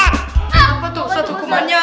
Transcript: apa tuh ustadz hukumannya